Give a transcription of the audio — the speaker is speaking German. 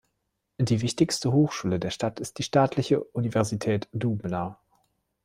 Die wichtigste Hochschule der Stadt ist die Staatliche Universität Dubna.